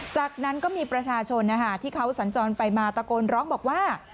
จากนั้นก็มีประชาชนที่เขาสัญจรไปมาตะโกนร้องบอกว่า